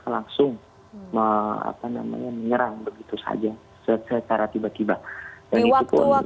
langsung menyerang begitu saja secara tiba tiba